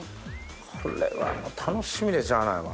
これは楽しみでしゃあないわ。